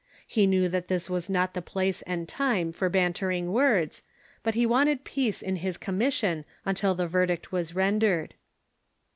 He knew that this was not the place and time for bantering words, but he wanted peace in his commission until this verdict was rendered.